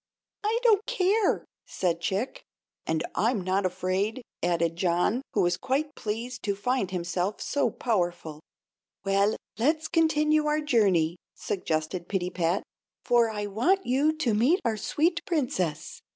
"I don't care," said Chick; "and I'm not afraid," added John, who was quite pleased to find himself so powerful. "Well, let us continue our journey," suggested Pittypat; "for I want you to meet our sweet Princess.